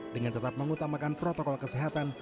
dengan tetap mengutamakan protokol kesehatan